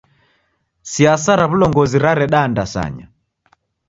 Siasa ra w'ulongozi rareda ndasanya.